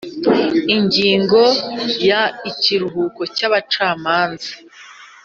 Ingingo ya Ikiruhuko cy abacamanza